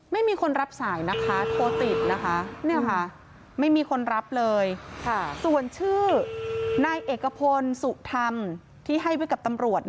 ไม่มีคนรับสายนะคะโทรติดนะคะไม่มีคนรับเลยส่วนชื่อนายเอกพลสุธรรมที่ให้ไว้กับตำรวจ